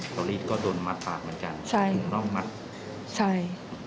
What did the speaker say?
โตรีดก็โดนมัดปากเหมือนกันถึงร่องมัดใช่